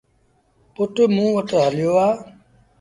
پُٽ موݩ وٽ هليو آ۔